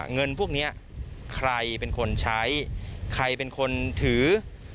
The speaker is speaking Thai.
เงินพวกนี้ใครเป็นคนใช้ใครเป็นคนถือ